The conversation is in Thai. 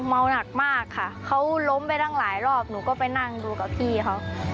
เมาหนักมากค่ะเขาล้มไปตั้งหลายรอบหนูก็ไปนั่งดูกับพี่เขา